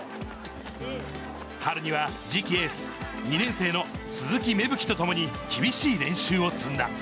春には次期エース、２年生の鈴木芽吹とともに厳しい練習を積んだ。